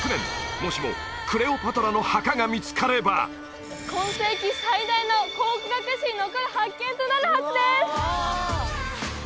もしもクレオパトラの墓が見つかれば今世紀最大の考古学史に残る発見となるはずです！